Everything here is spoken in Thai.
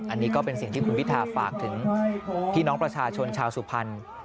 อันนี้ก็เป็นสิ่งที่คุณพิธาฝากถึงพี่น้องประชาชนชาวสุพรรณ